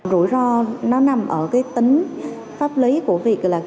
rủi ro nó nằm ở cái tính pháp lý của việc là